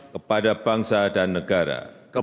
kepada bangsa dan negara